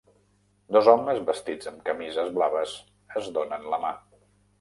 Dos homes vestits amb camises blaves es donen la mà